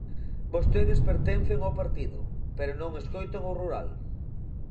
Vostedes pertencen ao partido, pero non escoitan o rural.